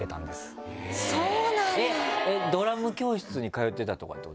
えっ！ドラム教室に通ってたとかっていうことですか？